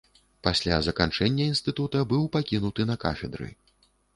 Пасля заканчэння інстытута быў пакінуты на кафедры.